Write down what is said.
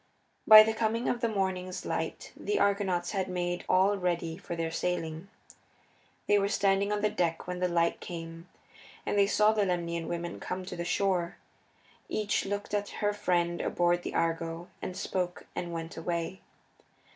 By the coming of the morning's light the Argonauts had made all ready for their sailing. They were standing on the deck when the light came, and they saw the Lemnian women come to the shore. Each looked at her friend aboard the Argo, and spoke, and went away.